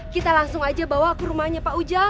kita langsung aja bawa ke rumahnya pak ujang